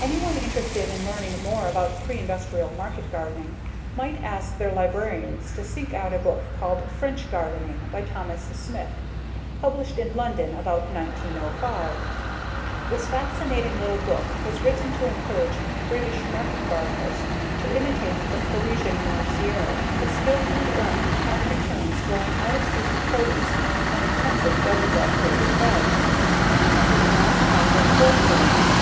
Anyone interested in learning more about preindustrial market gardening might ask their librarian to seek out a book called French Gardening by Thomas Smith, published in London about 1905. This fascinating little book was written to encourage British market gardeners to imitate the Parisian marcier, who skillfully earned top returns growing out of season produce on intensive, double dug raised beds, often under glass hot or cold frames.